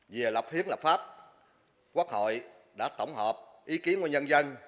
về lập hiến lập pháp quốc hội đã tổng hợp ý kiến của nhân dân